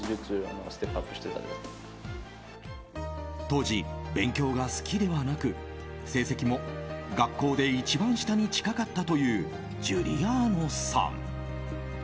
当時、勉強が好きではなく成績も学校で一番下に近かったというジュリアーノさん。